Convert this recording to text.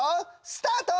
スタート！